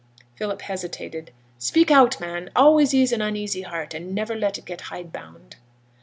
Philip hesitated. 'Speak out, man! Always ease an uneasy heart, and never let it get hidebound.'